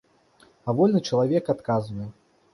А вольны чалавек адказвае.